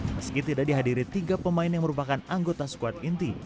meski tidak dihadiri tiga pemain yang merupakan anggota squad inti